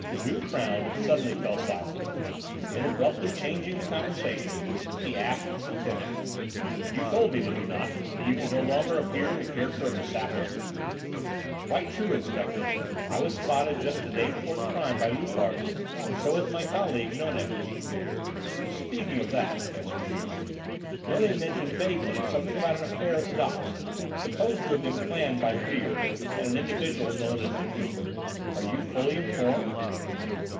Juve frowned and suddenly fell silent. Then abruptly changing the conversation, he asked his lieutenant: "You told me, did you not, that you could no longer appear in the character of the Sapper?" "Quite true, Inspector, I was spotted just the day before the crime by Loupart, and so was my colleague, Nonet." "Talking of that," answered Juve, "Nonet mentioned vaguely something about an affair at the docks, supposed to have been planned by the Beard and an individual known as the Cooper. Are you fully informed?"